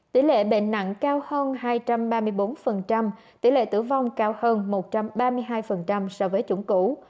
tỷ lệ bệnh nặng cao hơn hai trăm ba mươi bốn tỷ lệ tử vong cao hơn một trăm ba mươi hai so với chủng cũ